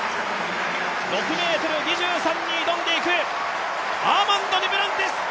６ｍ２３に挑んでいく、アーマンド・デュプランティス。